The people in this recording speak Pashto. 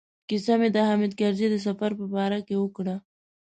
کیسه مې د حامد کرزي د سفر په باره کې وکړه.